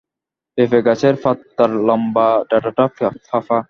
পেঁপে গাছের পাতার লম্বা ডাঁটাটা ফাঁপা।